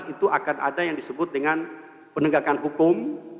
itu akan ada yang disebut dengan penegakan hukum